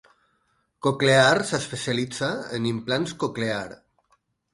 Cochlear s'especialitza en implants Cochlear.